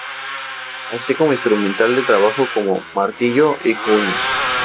Así como instrumental de trabajo como martillo y cuña.